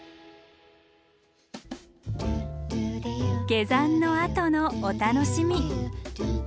下山のあとのお楽しみ。